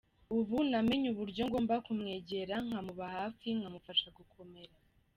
Ubu namenye uburyo ngomba kumwegera nkamuba hafi nkamufasha gukomera”.